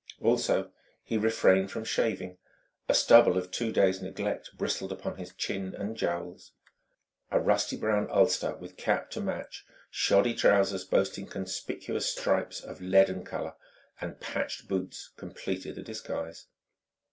Also, he refrained from shaving: a stubble of two days' neglect bristled upon his chin and jowls. A rusty brown ulster with cap to match, shoddy trousers boasting conspicuous stripes of leaden colour, and patched boots completed the disguise.